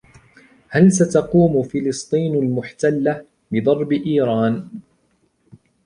هل ستقوم "فلسطين المحتله" بضرب ايران؟